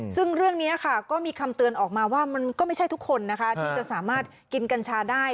ซึ่งเรื่องนี้ค่ะก็มีคำเตือนออกมาว่ามันก็ไม่ใช่ทุกคนนะคะที่จะสามารถกินกัญชาได้